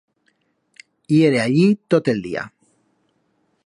Yere allí tot el día.